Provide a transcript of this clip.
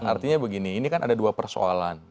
artinya begini ini kan ada dua persoalan